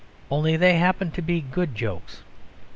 Only they happen to be good jokes.